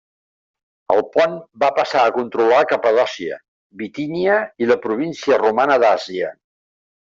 El Pont va passar a controlar Capadòcia, Bitínia i la província romana d'Àsia.